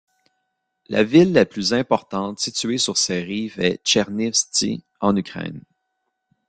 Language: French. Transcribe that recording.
La ville la plus importante située sur ses rives est Tchernivtsi, en Ukraine.